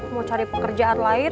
mau cari pekerjaan lain